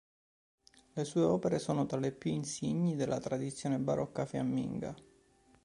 Le sue opere sono tra le più insigni della tradizione barocca fiamminga.